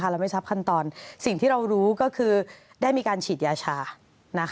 เราไม่ทราบขั้นตอนสิ่งที่เรารู้ก็คือได้มีการฉีดยาชา